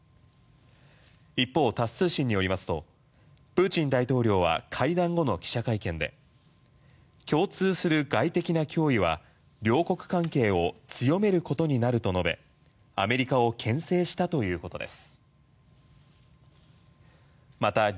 一方、タス通信によりますとプーチン大統領は会談後の記者会見で共通する外的な脅威は両国関係を強めることになると述べアメリカをけん制したということです。